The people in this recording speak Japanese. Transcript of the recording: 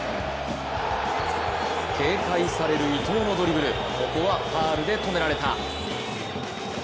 警戒される伊東のドリブル、ここはファウルで止められた。